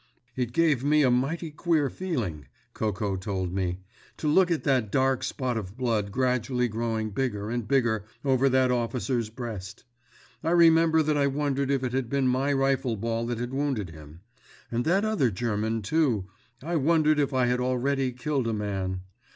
"It gave me a mighty queer feeling," Coco told me, "to look at that dark spot of blood gradually growing bigger and bigger over that officer's breast. I remember that I wondered if it had been my rifle ball that had wounded him. And that other German, too—I wondered if I had already killed a man.